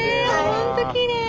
本当きれい！